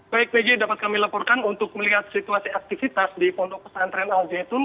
baik pg dapat kami laporkan untuk melihat situasi aktivitas di pondok pesantren al zaitun